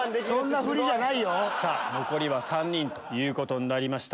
残りは３人ということになりました。